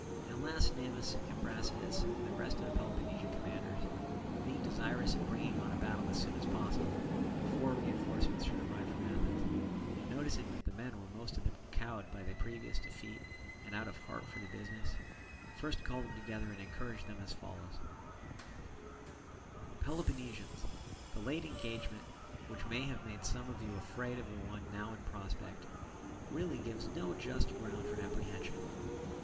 At last Cnemus and Brasidas and the rest of the Peloponnesian commanders, being desirous of bringing on a battle as soon as possible, before reinforcements should arrive from Athens, and noticing that the men were most of them cowed by the previous defeat and out of heart for the business, first called them together and encouraged them as follows: "Peloponnesians, the late engagement, which may have made some of you afraid of the one now in prospect, really gives no just ground for apprehension.